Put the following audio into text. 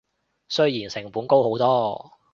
雖然成本高好多